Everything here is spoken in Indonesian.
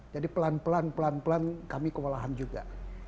jadi pelan pelan kami kewalahan juga